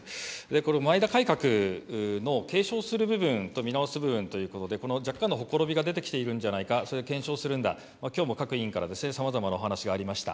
この前田改革の継承する部分と見直す部分ということで、この若干のほころびが出てきているんじゃないか、それを検証するんだ、きょうも各委員から、さまざまなお話がありました。